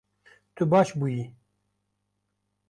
Tu baş bûyî